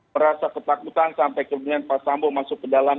merasa ketakutan sampai kemudian pak sambo masuk ke dalam